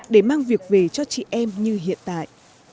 để mang việc về cho chị em như hiện tại